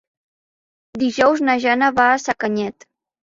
Dijous na Jana va a Sacanyet.